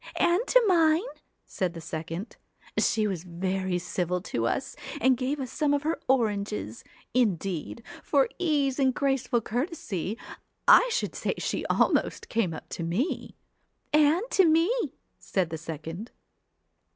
'And to mine,' said the second. 'She was very civil to us, and gave us some of her oranges. Indeed for ease and graceful courtesy, I should say she came almost up to me.' ' And to me,' said the second.